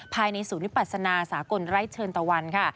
ภายในศูนย์วิปัสนาสากลไร้เชิญตะวันค่ะ